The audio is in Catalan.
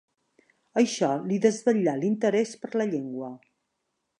Això li desvetllà l'interès per la llengua.